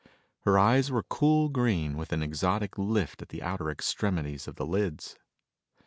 Her eyes were cool green with an exotic lift at the outer extremities of the lids.